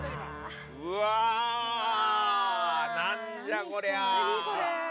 うわー、なんじゃこりゃー。